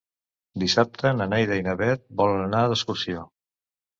Dissabte na Neida i na Bet volen anar d'excursió.